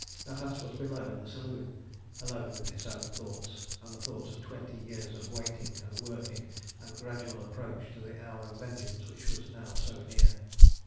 Natas was below in the saloon, alone with his own thoughts, the thoughts of twenty years of waiting and working and gradual approach to the hour of vengeance which was now so near.